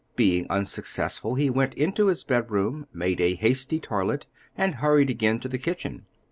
Being unsuccessful, he went into his bedroom, made a hasty toilet, and hurried again to the kitchen.